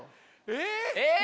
え！